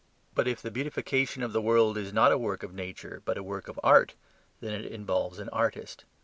But if the beatification of the world is not a work of nature but a work of art, then it involves an artist.